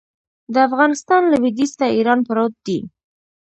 د افغانستان لویدیځ ته ایران پروت دی